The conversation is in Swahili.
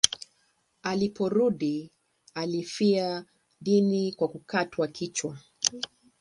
Aliporudi alifia dini kwa kukatwa kichwa.